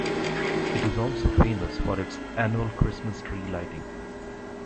It is also famous for its annual Christmas tree lighting.